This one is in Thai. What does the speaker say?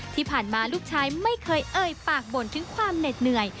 ที่ผ่านมาลูกชายไม่เคยเอ่ยปากบ่นถึงความเหน็ดเหนื่อย